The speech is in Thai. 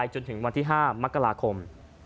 จนถึงวันที่๕มกราคม